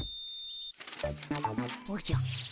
おじゃ。